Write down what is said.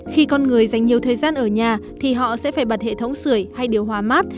khi con người dành nhiều thời gian ở nhà thì họ sẽ phải bật hệ thống sửa hay điều hóa mát